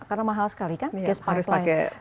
karena mahal sekali kan gas pipeline